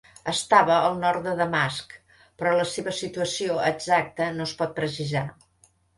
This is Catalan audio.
Estava al nord de Damasc, però la seva situació exacta no es pot precisar.